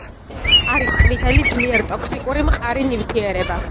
არის ყვითელი, ძლიერ ტოქსიკური მყარი ნივთიერება.